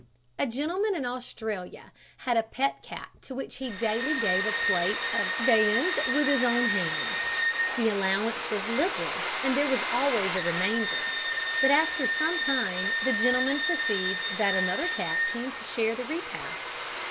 A gentleman in Australia had a pet cat to which he daily gave a plate of viands with his own hands. The allowance was liberal, and there was always a remainder; but after some time the gentleman perceived that another cat came to share the repast.